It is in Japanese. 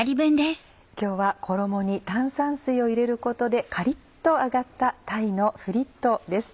今日は衣に炭酸水を入れることでカリっと揚がった鯛のフリットです。